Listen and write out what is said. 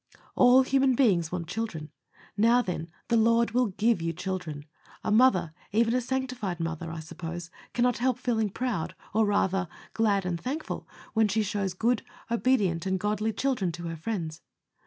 All human beings want children. Now, then, the Lord will give you children. A mother even a sanctified mother I suppose, cannot help feeling proud, or, rather, glad and thankful, when she shows good, obedient, and godly children to her friends.